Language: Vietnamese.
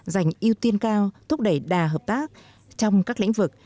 dành ưu tiên cao thúc đẩy đà hợp tác trong các lĩnh vực